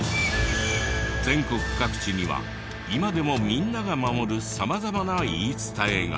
全国各地には今でもみんなが守る様々な言い伝えが。